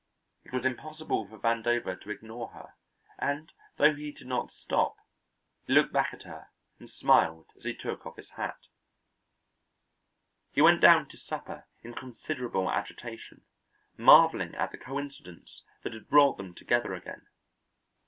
It was impossible for Vandover to ignore her, and though he did not stop, he looked back at her and smiled as he took off his hat. He went down to supper in considerable agitation, marvelling at the coincidence that had brought them together again.